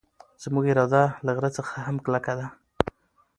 زموږ اراده له غره څخه هم کلکه ده.